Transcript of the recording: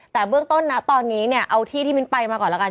แต่เบื้องต้นนะตอนนี้เนี่ยเอาที่ที่มิ้นไปมาก่อนแล้วกัน